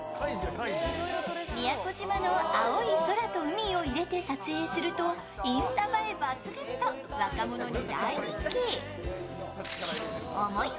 宮古島の青い空と海を入れて撮影するとインスタ映え抜群と若者に大人気。